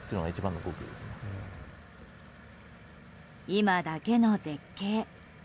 今だけの絶景。